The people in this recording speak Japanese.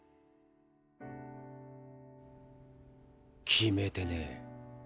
決めてねェ。